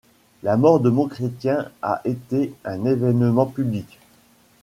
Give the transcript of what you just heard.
La mort de Montchrétien a été un événement public.